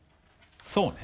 そうね。